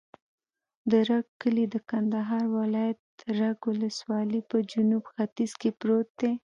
د رګ کلی د کندهار ولایت، رګ ولسوالي په جنوب ختیځ کې پروت دی.